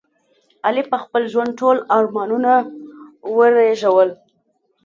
علي په خپل ژوند ټول ارمانونه ورېژول.